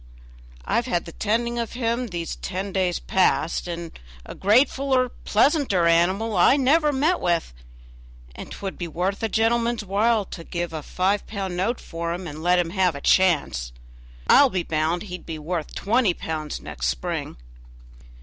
I've had the tending of him these ten days past, and a gratefuller, pleasanter animal I never met with, and 'twould be worth a gentleman's while to give a five pound note for him, and let him have a chance. I'll be bound he'd be worth twenty pounds next spring."